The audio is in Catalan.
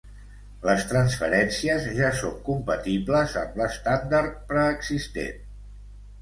Les transferències ja són compatibles amb l'estàndard preexistent.